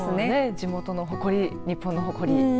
地元の誇り、日本の誇り。